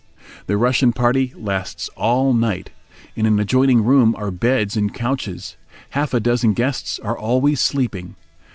The Russian party lasts all night. In an adjoining room are beds and couches; half a dozen guests are always sleeping.